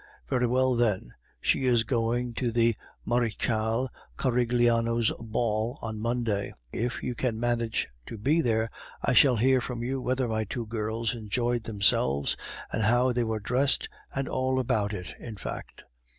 "Very well then, she is going to the Marechale Carigliano's ball on Monday. If you can manage to be there, I shall hear from you whether my two girls enjoyed themselves, and how they were dressed, and all about it in fact."